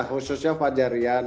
ya khususnya fadjar rian